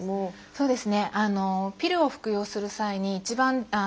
そうです。